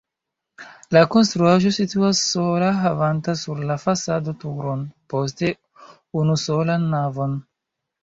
La konstruaĵo situas sola havanta sur la fasado turon, poste unusolan navon.